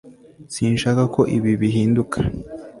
Sinshaka ko ibi bihinduka